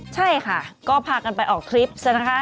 ใช่ค่ะก็พากันไปออกทริปซะนะคะ